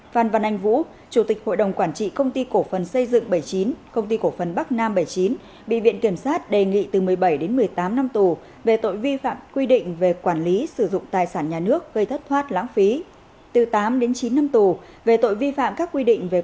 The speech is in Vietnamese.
phan văn anh vũ chủ tịch hội đồng quản trị công ty cổ phần xây dựng bảy mươi chín công ty cổ phần bắc nam bảy mươi chín bị viện kiểm sát đề nghị từ một mươi tám một mươi tám năm tù